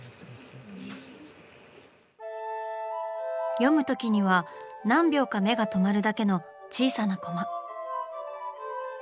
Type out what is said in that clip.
読むときには何秒か目が留まるだけの小さなコマ。